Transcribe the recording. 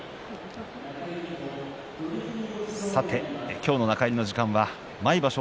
今日の中入りの時間は毎場所